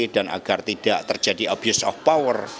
dan agar tidak terjadi abuse of power